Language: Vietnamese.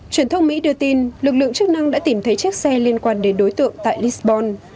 truyền thông mỹ đưa tin lực lượng chức năng đã tìm thấy chiếc xe liên quan đến đối tượng tại lisbon